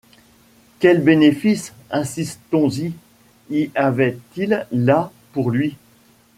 Quel bénéfice, insistons-y, y avait-il là pour lui?